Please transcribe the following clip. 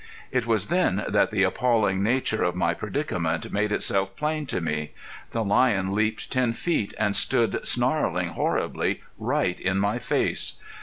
It was then that the appalling nature of my predicament made itself plain to me. The lion leaped ten feet and stood snarling horribly right in my face.